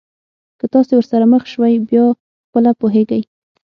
که تاسي ورسره مخ شوی بیا خپله پوهېږئ.